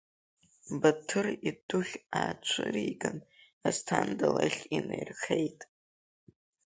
Баҭыр идухь аацәыриган, Асҭанда лахь инаирхеит.